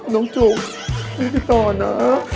น้องจุ๊กไม่ติดต่อนะ